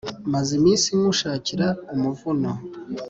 maze iminsi nywushakira umuvuno